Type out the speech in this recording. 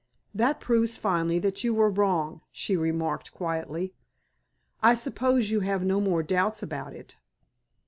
"That proves finally that you were wrong," she remarked, quietly. "I suppose you have no more doubts about it?"